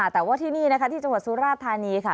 แต่ว่าที่นี่นะคะที่จังหวัดสุราธานีค่ะ